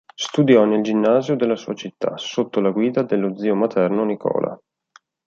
Studiò nel ginnasio della sua città, sotto la guida dello zio materno Nicola.